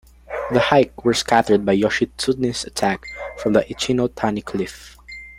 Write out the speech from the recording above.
The Heike were scattered by Yoshitsune's attack from the Ichi-no-Tani cliff.